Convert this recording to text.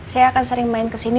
saya akan sering main kesini